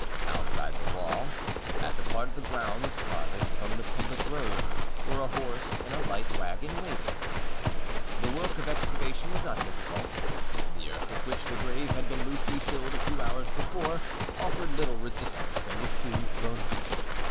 Outside the wall, at the part of the grounds farthest from the public road, were a horse and a light wagon, waiting. The work of excavation was not difficult: the earth with which the grave had been loosely filled a few hours before offered little resistance and was soon thrown out.